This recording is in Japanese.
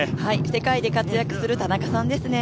世界で活躍する田中さんですね。